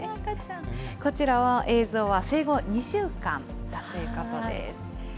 こちらの映像は生後２週間だということです。